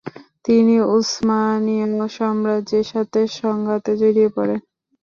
তিনি উসমানীয় সাম্রাজ্যের সাথে সংঘাতে জড়িয়ে পড়েন।